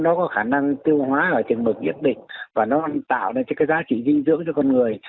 nó có khả năng tiêu hóa ở trường mực nhiễm định và nó tạo ra cái giá trị dinh dưỡng cho con người